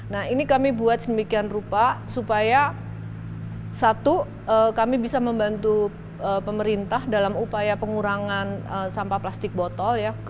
nah ini kami buat sedemikian rupa supaya satu kami bisa membantu pemerintah dalam upaya pengurangan sampah plastik botol ya